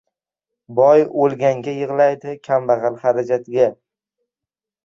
• Boy o‘lganga yig‘laydi, kambag‘al — harajatga.